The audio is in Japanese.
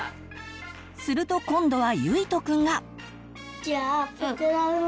すると今度はゆいとくんが。